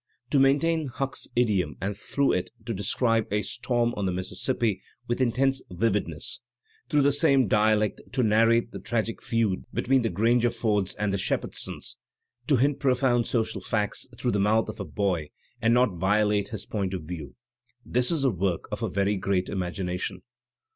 To maintain Huck's idiom and through it to describe a storm on the Mississippi with intense^ vividness; t hrough the same dialect to narrate the tragic feud between the Grangerfords and the Shepherdsons; to hin t profound sod al facts through the mouth of a boy and not violate his point of view — this is the work of a very great imagination.